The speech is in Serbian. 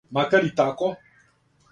Макар и тако?